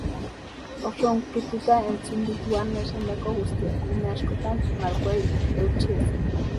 Oso hunkituta entzun ditu han esandako guztiak, une askotan malkoei eutsi ezinda.